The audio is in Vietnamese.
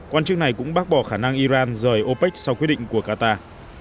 quan chức này cũng bác bỏ khả năng iran rời opec sau quyết định của qatar